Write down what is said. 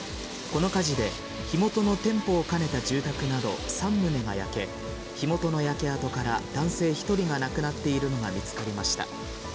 この火事で、火元の店舗を兼ねた住宅など３棟が焼け、火元の焼け跡から男性１人が亡くなっているのが見つかりました。